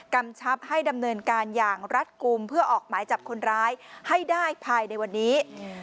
กำชับให้ดำเนินการอย่างรัฐกลุ่มเพื่อออกหมายจับคนร้ายให้ได้ภายในวันนี้